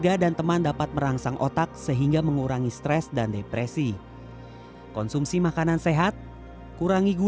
jangan lupa untuk berikan komentar like share dan subscribe